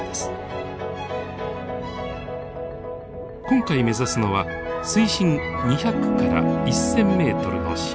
今回目指すのは水深２００から１，０００メートルの深海。